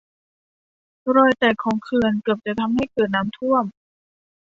รอยแตกของเขื่อนเกือบจะทำให้เกิดน้ำท่วม